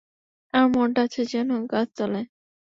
আমার মনটা আছে যেন গাছতলায়।